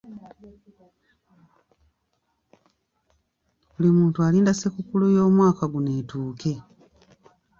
Buli muntu alinda ssekukkulu y'omwaka guno etuuke.